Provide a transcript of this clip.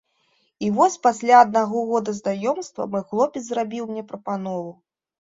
І вось пасля аднаго года знаёмства мой хлопец зрабіў мне прапанову.